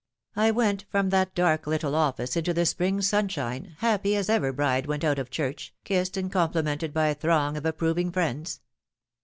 I went from that dark little office into the spring sunshine happy as ever bride went out of church, kissed and complimented by a throng of approving friends.